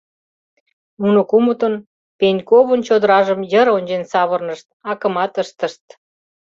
Нуно кумытын Пеньковын чодыражым йыр ончен савырнышт, акымат ыштышт.